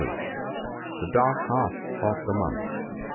The dark half of the month.